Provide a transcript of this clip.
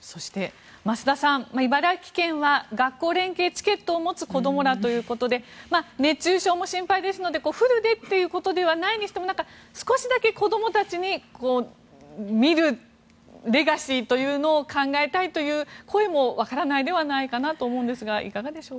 そして増田さん、茨城県は学校連携チケットを持つ子どもらということで熱中症も心配ですのでフルでということはないにしても少しだけ子どもたちに見るレガシーというのを考えたいという声もわからないではないかなと思うんですがいかがでしょうか？